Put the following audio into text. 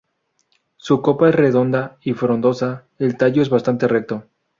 Su copa es redonda y frondosa, el tallo es bastante recto.